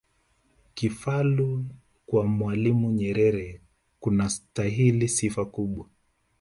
kufalu kwa mwalimu nyerere kunastahili sifa kubwa